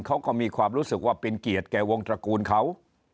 เขาก็มีความรู้สึกว่าเป็นเกียรติแก่วงตระกูลเขา